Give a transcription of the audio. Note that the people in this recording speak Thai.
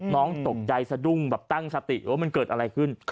น้องตกใจสะดุ้งแบบตั้งสติว่ามันเกิดอะไรขึ้น